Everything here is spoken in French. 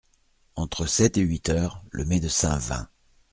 Entre sept et huit heures le médecin vint.